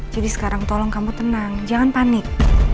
jadi sekarang tolong kamu tenang jangan panik